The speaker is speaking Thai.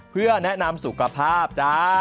เพื่อแนะนำสุขภาพจ้า